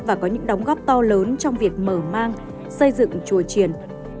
và có những đóng góp to lớn trong việc mở mang xây dựng chùa triển